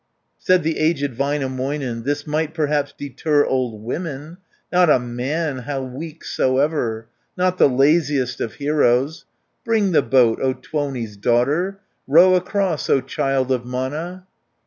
Said the aged Väinämöinen, "This might perhaps deter old women, Not a man, how weak soever. Not the laziest of heroes! Bring the boat, O Tuoni's daughter, Row across, O child of Mana!"